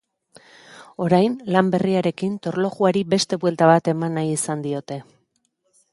Orain, lan berriarekin, torlojuari beste buelta bat emannahi izan diote.